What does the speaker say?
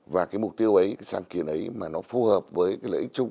và cái mục tiêu ấy cái sáng kiến ấy mà nó phù hợp với cái lợi ích chung